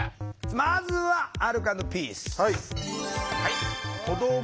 まずはアルコ＆ピース！